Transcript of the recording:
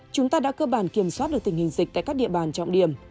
chúng ta đã cơ bản kiểm soát được tình hình dịch tại các địa bàn trọng điểm